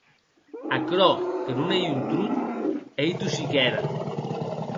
Aquerò que non ei un tron, ei tosssiquèra.